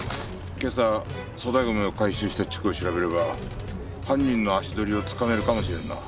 今朝粗大ゴミを回収した地区を調べれば犯人の足取りをつかめるかもしれんな。